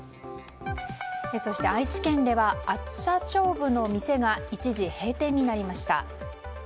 そして、愛知県では暑さ勝負の店が一時、閉店になりました。